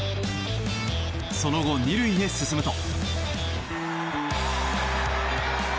その後、２塁に進むと。